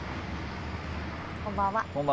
こんばんは。